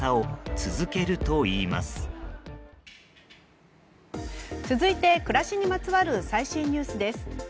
続いて、暮らしにまつわる最新ニュースです。